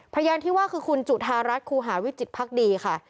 พยานที่ว่าคือคุณจุธารัฐครูหาวิจิตภักดีค่ะ